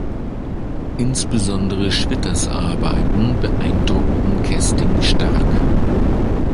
Insbesondere Schwitters Arbeiten beeindruckten Kesting stark.